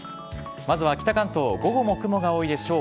まずは北関東、午後も雲が多いでしょう。